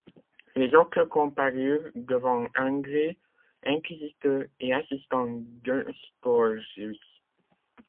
Les autres comparurent devant André, inquisiteur et assistant d'Eustorgius.